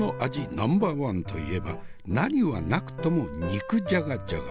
ナンバーワンといえば何はなくとも肉じゃがじゃが。